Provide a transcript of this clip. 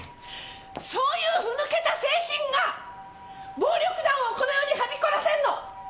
そういう府抜けた精神が暴力団をこの世にはびこらせんの！